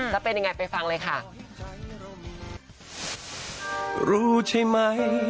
แล้วเป็นยังไงไปฟังเลยค่ะ